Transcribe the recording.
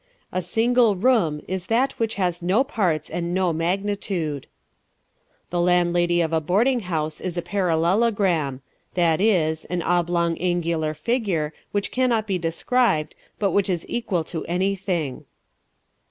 A single room is that which has no parts and no magnitude. The landlady of a boarding house is a parallelogram that is, an oblong angular figure, which cannot be described, but which is equal to anything.